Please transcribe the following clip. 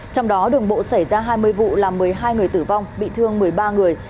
trong đó đường bộ xảy ra hai mươi vụ làm một mươi hai người tử vong bị thương một mươi ba người